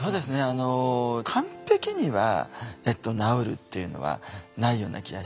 あの完璧には治るっていうのはないような気がして。